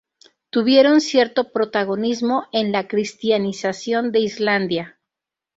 Tuvieron cierto protagonismo en la cristianización de Islandia.